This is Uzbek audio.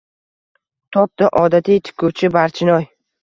Topdi: oddiy tikuvchi Barchinoy.